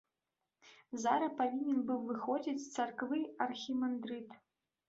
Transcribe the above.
Зара павінен быў выходзіць з царквы архімандрыт.